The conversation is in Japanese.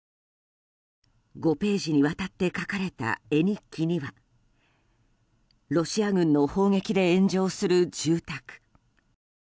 ５ページにわたって描かれた絵日記にはロシア軍の砲撃で炎上する住宅。